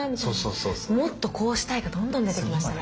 もっとこうしたいがどんどん出てきましたね。